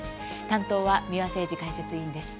担当は三輪誠司解説委員です。